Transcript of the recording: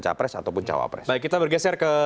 capres ataupun cawapres baik kita bergeser ke